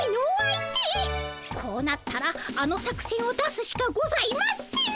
こうなったらあの作戦を出すしかございません。